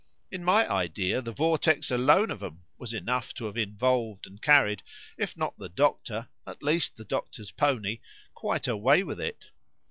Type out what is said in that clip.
—In my idea, the vortex alone of 'em was enough to have involved and carried, if not the doctor, at least the doctor's pony, quite away with it.